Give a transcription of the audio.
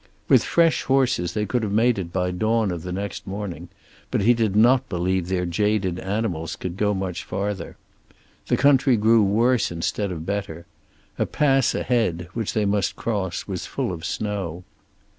With fresh horses they could have made it by dawn of the next morning, but he did not believe their jaded animals could go much farther. The country grew worse instead of better. A pass ahead, which they must cross, was full of snow.